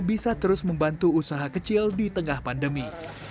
bisa terus membantu usaha kecil di tengah pandemi